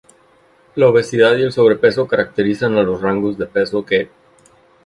La obesidad y el sobrepeso caracterizan a los rangos de peso que